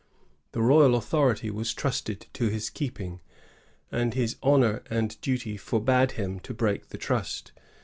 The royal authority was trusted to his keeping, and his honor and duty forbade him to break the trust.